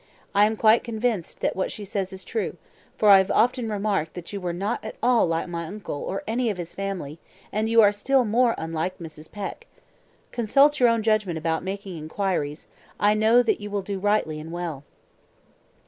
I am quite convinced that what she says is true, for I have often remarked that you were not at all like my uncle or any of his family, and you are still more unlike Mrs. Peck. Consult your own judgment about making inquiries; I know you will do rightly and well.